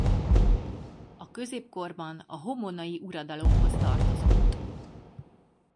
A középkorban a homonnai uradalomhoz tartozott.